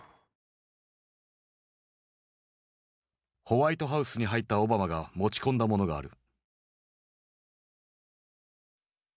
ホワイトハウスに入ったオバマが持ち込んだものがある。